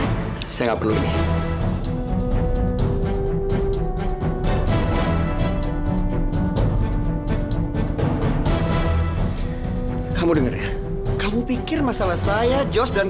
kok jatuh sih non